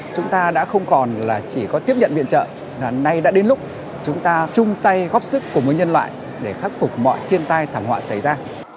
chúng ta đã không còn là chỉ có tiếp nhận viện trợ nay đã đến lúc chúng ta chung tay góp sức cùng với nhân loại để khắc phục mọi thiên tai thảm họa xảy ra